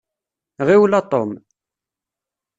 Ɣiwel a Tom.